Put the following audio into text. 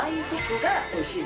おいしい！